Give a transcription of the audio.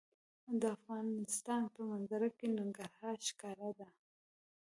د افغانستان په منظره کې ننګرهار ښکاره ده.